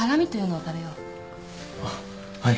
あっはい。